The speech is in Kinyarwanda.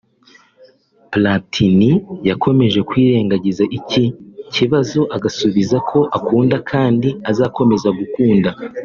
Platini yakomeje kwirengagiza iki kibazo agasubiza ko akunda kandi azakomeza gukunda